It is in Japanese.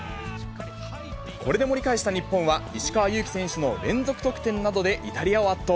これで盛り返した日本は、石川祐希選手の連続得点などでイタリアを圧倒。